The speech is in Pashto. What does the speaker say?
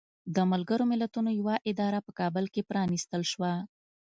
د ملګرو ملتونو یوه اداره په کابل کې پرانستل شوه.